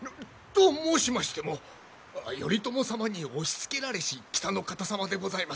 と申しましても頼朝様に押しつけられし北の方様でございます。